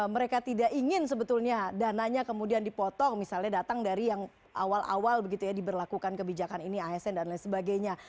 mereka tidak ingin sebetulnya dananya kemudian dipotong misalnya datang dari yang awal awal begitu ya diberlakukan kebijakan ini asn dan lain sebagainya